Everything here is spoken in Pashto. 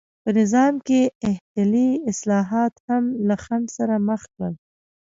په نظام کې احتلي اصلاحات هم له خنډ سره مخ کړل.